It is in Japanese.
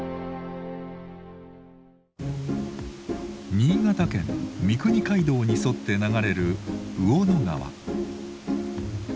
新潟県三国街道に沿って流れる魚野川。